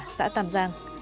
xã tàm giang